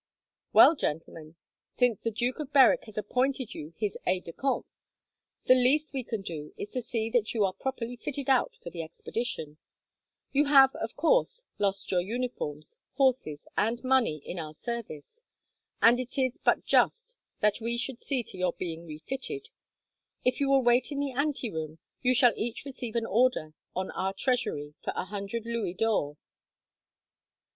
"Well, gentlemen, since the Duke of Berwick has appointed you his aides de camp, the least we can do is to see that you are properly fitted out for the expedition. You have, of course, lost your uniforms, horses, and money in our service, and it is but just that we should see to your being refitted. If you will wait in the anteroom, you shall each receive an order on our treasury for a hundred louis d'ors."